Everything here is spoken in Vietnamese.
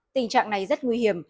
tình trạng này rất nguy hiểm